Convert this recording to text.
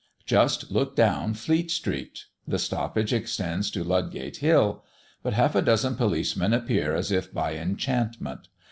Just look down Fleet street the stoppage extends to Ludgate hill. But half a dozen policemen appear as if by enchantment.